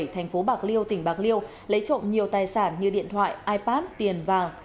thành phố bạc liêu tỉnh bạc liêu lấy trộm nhiều tài sản như điện thoại ipad tiền vàng